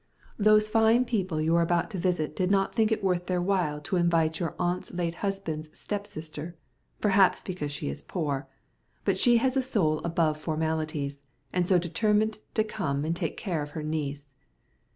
Those fine people you are about to visit did not think it worth their while to invite your aunt's late husband's step sister perhaps because she is poor; but she has a soul above formalities, and so determined to come and take care of her niece."